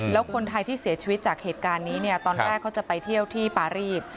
แล้วคนไทยที่เสียชีวิตจากเหตุการณ์นี้เนี่ยตอนแรกเขาจะไปเที่ยวที่ปารีส